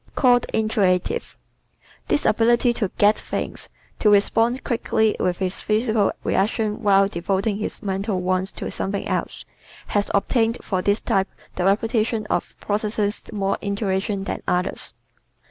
Called "Intuitive" ¶ This ability to "get" things, to respond quickly with his physical reactions while devoting his mental ones to something else, has obtained for this type the reputation of possessing more "intuition" than others.